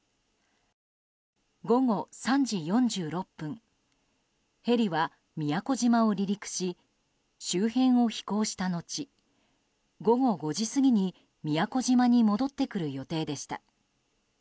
午後３時４６分ヘリは宮古島を離陸し周辺を飛行した後午後５時過ぎに宮古島に戻ってくる予定でした。